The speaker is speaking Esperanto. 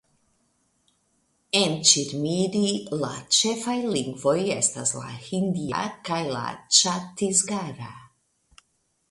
En Ĉirmiri la ĉefaj lingvoj estas la hindia kaj la ĉatisgara.